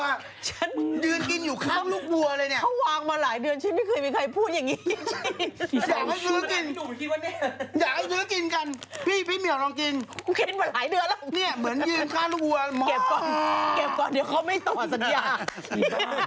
หมุนรสนมไง